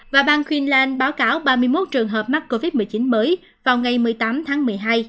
và ban queensland báo cáo ba mươi một trường hợp mắc covid một mươi chín mới vào ngày một mươi tám tháng một mươi hai